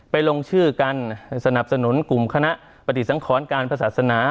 ลงชื่อกันสนับสนุนกลุ่มคณะปฏิสังขรการพระศาสนา